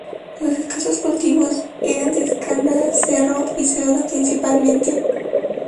Sus escasos cultivos eran de escanda, cerro y cebada principalmente.